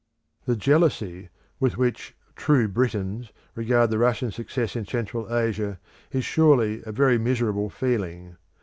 The jealousy with which 'true Britons' regard the Russian success in Central Asia is surely a very miserable feeling.